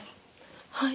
はい。